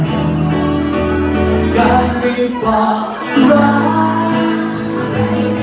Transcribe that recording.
การไม่บอกร้าย